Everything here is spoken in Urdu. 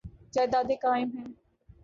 جائیدادیں قائم ہیں۔